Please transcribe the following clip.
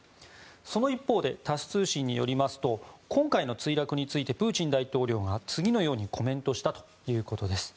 その一方でタス通信によりますと今回の墜落についてプーチン大統領が次のようにコメントしたということです。